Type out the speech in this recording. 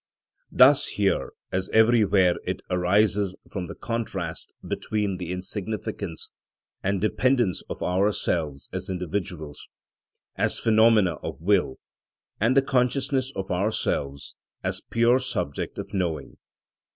Thus here as everywhere it arises from the contrast between the insignificance and dependence of ourselves as individuals, as phenomena of will, and the consciousness of ourselves as pure subject of knowing.